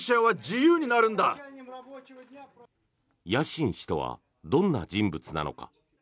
ヤシン氏とはどんな人物なのか。